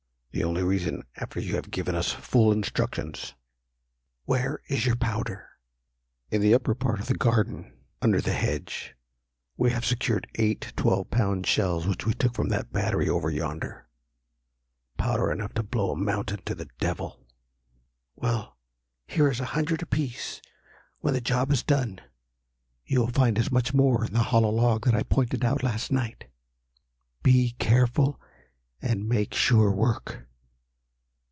"The only reason after you have given us full instructions." "Where is your powder?" "In the upper part of the garden, under the hedge. We have secured eight twelve pound shells which we took from that battery over yonder. Powder enough to blow a mountain to the devil." "Well, here is a hundred apiece. When the job is done, you will find as much more in the hollow log that I pointed out last night. Be careful and make sure work!"